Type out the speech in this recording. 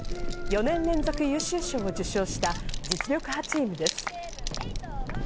４年連続、優秀賞を受賞した実力派チームです。